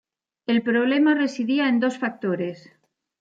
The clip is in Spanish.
El problema residía en dos factores.